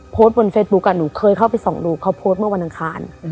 โพสต์บนเฟซบุ๊กหนูเคยเข้าไปส่องดูเขาโพสต์เมื่อวันอังคาร